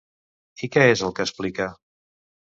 I què és el que explica?